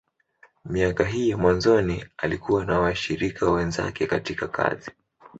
Miaka hii ya mwanzoni, alikuwa na washirika wenzake katika kazi.